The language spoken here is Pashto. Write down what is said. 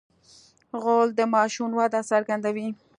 غول د ماشوم وده څرګندوي.